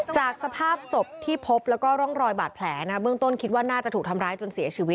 จากสภาพศพที่พบแล้วก็ร่องรอยบาดแผลนะเบื้องต้นคิดว่าน่าจะถูกทำร้ายจนเสียชีวิต